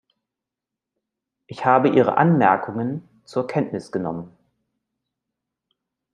Ich habe Ihre Anmerkungen zur Kenntnis genommen.